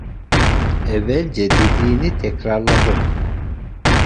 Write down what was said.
Evvelce dediğini tekrarladı: